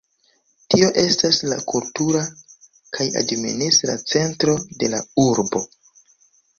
Tio estas la kultura kaj administra centro de la urbo.